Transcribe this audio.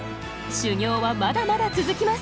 修行はまだまだ続きます。